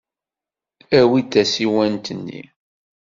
Awi-d tasiwant-nni.